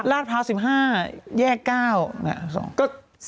ลาดพร้าว๑๕แยก๙